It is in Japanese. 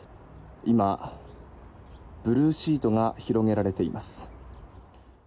今、ブルーシートが広げられています。